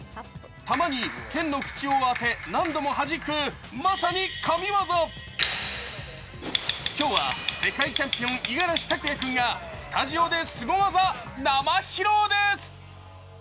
玉にけんのふちを当て何度もはじく、まさに神業今日は世界チャンピオン、五十嵐拓哉君がスタジオですご技、生披露です。